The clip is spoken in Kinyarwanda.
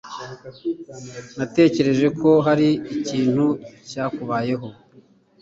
Natekereje ko hari ikintu cyakubayeho.